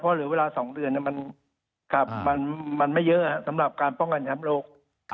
เพราะเหลือเวลา๒เดือนมันไม่เยอะสำหรับการป้องกันแชมป์โลก